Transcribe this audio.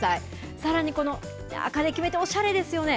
さらに、この明るく決めておしゃれですよね。